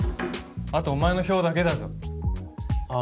あとお前の票だけだぞあ